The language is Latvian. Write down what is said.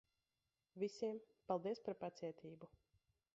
Visiem, paldies par pacietību.